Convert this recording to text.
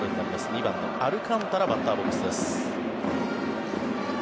２番のアルカンタラバッターボックスです。